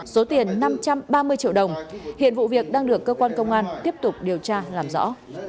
số tiền năm trăm ba mươi triệu đồng hiện vụ việc đang được cơ quan công an tiếp tục điều tra làm rõ